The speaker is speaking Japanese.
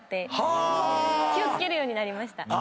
気を付けるようになりました。